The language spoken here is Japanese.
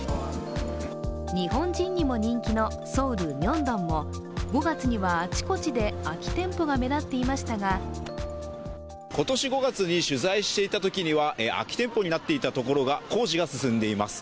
日本人にも人気のソウル・ミョンドンも５月には、あちこちで空き店舗が目立っていましたが今年５月に取材していたときには空き店舗になっていたところで工事が進んでいます。